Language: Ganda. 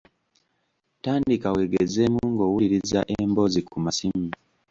Tandika wegezeemu ng'owuliriza emboozi ku masimu